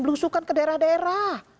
berusuhkan ke daerah daerah